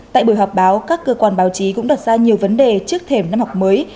tại buổi họp báo các cơ quan báo chí cũng đặt ra nhiều vấn đề trước thềm năm học mới